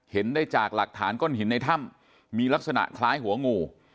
เห็นได้จากหลักฐานก้อนหินในถ้ำมีลักษณะคล้ายหัวงู